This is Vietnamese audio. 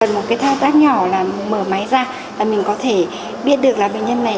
một cái thao tác nhỏ là mở máy ra và mình có thể biết được là bệnh nhân này